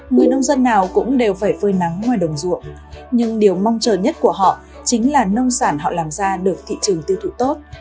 người nông dân nào cũng đều phải phơi nắng ngoài đồng ruộng nhưng điều mong chờ nhất của họ chính là nông sản họ làm ra được thị trường tiêu thụ tốt